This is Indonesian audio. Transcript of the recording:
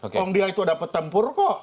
kalau sudah pitempur kok